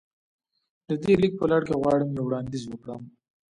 د دې ليک په لړ کې غواړم يو وړانديز وکړم.